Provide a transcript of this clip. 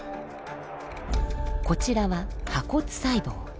こちらは破骨細胞。